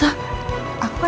aduh kamu gak tau ya